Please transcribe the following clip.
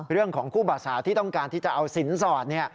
เรื่องของคู่บาสาวที่ต้องการที่จะเอาสินสอด